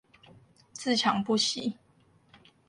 自強不息